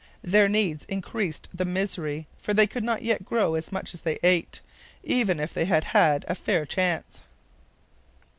Their needs increased the misery, for they could not yet grow as much as they ate, even if they had had a fair chance.